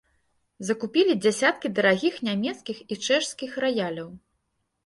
Закупілі дзясяткі дарагіх нямецкіх і чэшскіх раяляў.